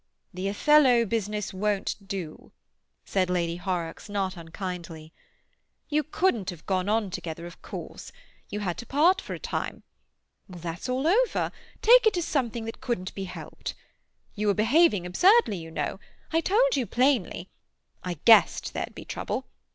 "The Othello business won't do," said Lady Horrocks not unkindly. "You couldn't have gone on together, of course; you had to part for a time. Well, that's all over; take it as something that couldn't be helped. You were behaving absurdly, you know; I told you plainly; I guessed there'd be trouble.